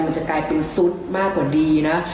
มันจะกลายเป็นซุดมากกว่าดีนะ